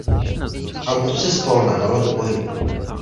Auto se zvolna dalo do pohybu.